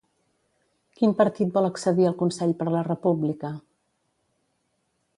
Quin partit vol accedir al Consell per la República?